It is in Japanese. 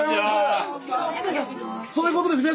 そういうことですね